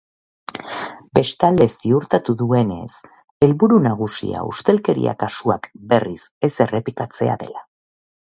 Bestalde, ziurtatu duenez, helburu nagusia ustelkeria kasuak berriz ez errepikatzea dela.